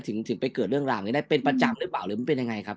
ถึงไปเกิดเรื่องราวนี้ได้เป็นประจำหรือเปล่าหรือมันเป็นยังไงครับ